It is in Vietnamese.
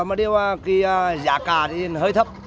nhưng mà giá cá thì hơi thấp